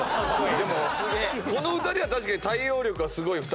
でもこの２人は確かに対応力がすごい２人。